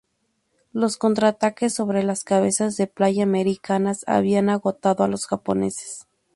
Los contraataques sobre las cabezas de playa americanas habían agotado a los japoneses.